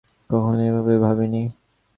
কখনো এভাবে ভাবিনি।